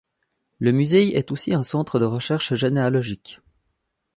Le musée est aussi un centre de recherche généalogique.